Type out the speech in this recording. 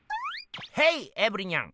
ヘイエブリニャン！